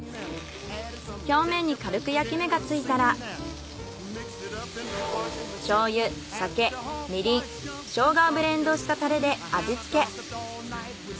表面に軽く焼き目がついたら醤油酒みりんショウガをブレンドしたタレで味付け。